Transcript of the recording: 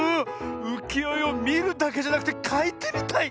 うきよえをみるだけじゃなくてかいてみたい！